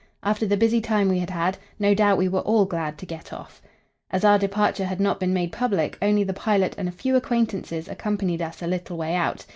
After the busy time we had had, no doubt we were all glad to get off. As our departure had not been made public, only the pilot and a few acquaintances accompanied us a little way out.